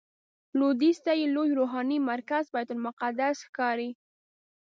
لویدیځ ته یې لوی روحاني مرکز بیت المقدس ښکاري.